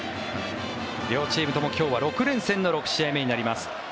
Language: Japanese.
両チームとも今日は６連戦の６試合目となります。